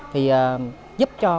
thì giúp cho